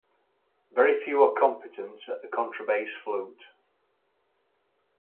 Very few are competent at the contrabass flute.